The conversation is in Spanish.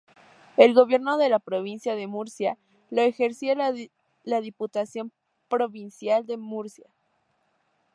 El gobierno de la provincia de Murcia lo ejercía la Diputación Provincial de Murcia.